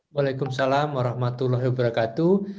waalaikum salam warahmatullahi wabarakatuh